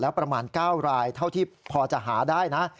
แล้วประมาณ๙รายเท่าที่พอจะหาได้นะ